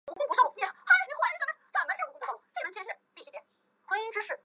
那一层楼很难找